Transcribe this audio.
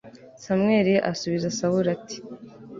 samweli asubiza sawuli, ati